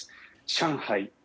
上海